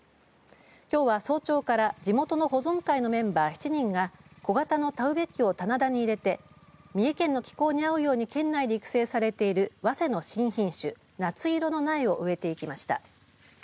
きょうは早朝から地元の保存会のメンバー７人が小型の田植え機を棚田に入れて三重県の気候に合うように県内で育成されているわせの新品種、なついろの苗を植えていきました。